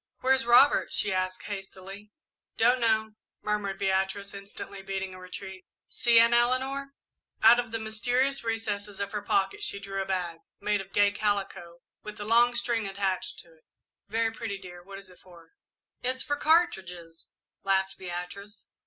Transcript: "Where's Robert?" she asked hastily. "Don't know," murmured Beatrice, instantly beating a retreat. "See, Aunt Eleanor." Out of the mysterious recesses of her pocket, she drew a bag, made of gay calico, with a long string attached to it. "Very pretty what is it for, dear?" "It's for cartridges," laughed Beatrice.